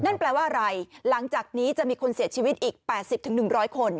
นั่นแปลว่าอะไรหลังจากนี้จะมีคนเสียชีวิตอีก๘๐๑๐๐คน